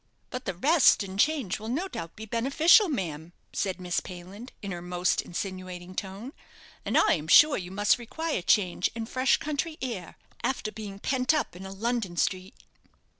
"But the rest and change will, no doubt, be beneficial, ma'am," said Miss Payland, in her most insinuating tone; "and I am sure you must require change and fresh country air after being pent up in a London street."